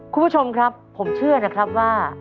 คุณผู้ชมครับผมเชื่อนะครับว่า